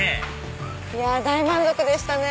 いや大満足でしたね！